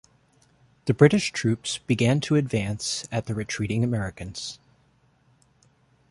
The British troops began to advance at the retreating Americans.